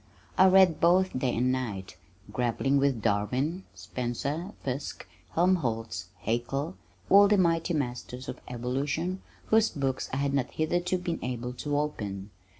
I read both day and night, grappling with Darwin, Spencer, Fiske, Helmholtz, Haeckel, all the mighty masters of evolution whose books I had not hitherto been able to open.